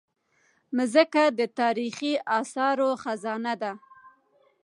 مځکه د تاریخي اثارو خزانه ده.